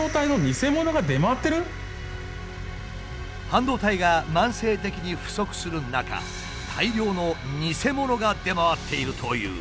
半導体が慢性的に不足する中大量のニセモノが出回っているという。